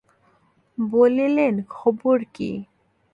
বলিলেন, খবর কী?